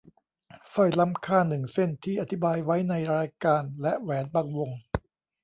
สร้อยล้ำค่าหนึ่งเส้นที่อธิบายไว้ในรายการและแหวนบางวง